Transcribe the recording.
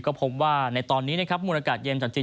ก็พบว่าในตอนนี้นะครับมูลอากาศเย็นจากจีน